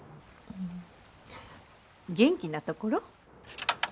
ん元気なところ？